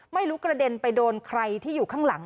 ไม่รู้กระเด็นไปโดนใครที่อยู่ข้างหลัง